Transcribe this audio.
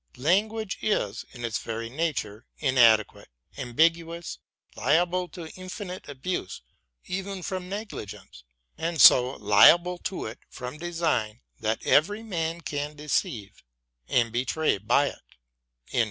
Language is, in its very nature, inadequate, ambiguous, liable to infinite abuse even from negligence, and so liable to it from design that every man can deceive and betray by it.